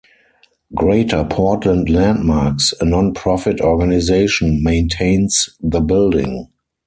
Greater Portland Landmarks, a non-profit organization, maintains the building.